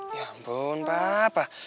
ya ampun papa